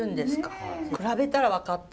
比べたら分かった。